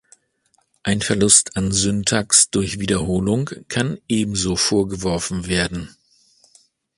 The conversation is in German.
Ein Verlust an Syntax durch Wiederholung kann ebenso vorgeworfen werden.